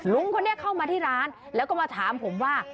ลุงคนนี้เข้ามาที่ร้านแล้วก็มาถามผมว่า